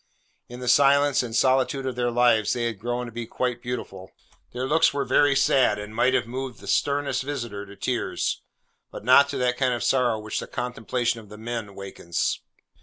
In the silence and solitude of their lives they had grown to be quite beautiful. Their looks were very sad, and might have moved the sternest visitor to tears, but not to that kind of sorrow which the contemplation of the men awakens.